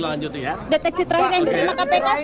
deteksi terakhir yang diterima kpk